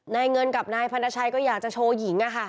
นายเงินกับนายพันธัยก็อยากจะโชว์หญิงอะค่ะ